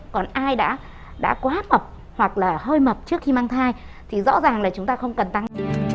còn ai đã quá mập hoặc là hơi mập trước khi mang thai thì rõ ràng là chúng ta không cần tăng